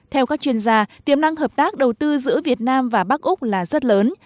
theo các chuyên gia tiềm năng hợp tác đầu tư giữa việt nam và bắc úc là rất lớn